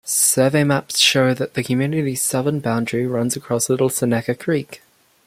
Survey maps show that the community's southern boundary runs along Little Seneca Creek.